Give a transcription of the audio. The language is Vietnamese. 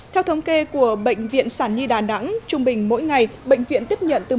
theo thống kê của bệnh viện sản nhi đà nẵng trung bình mỗi ngày bệnh viện tiếp nhận từ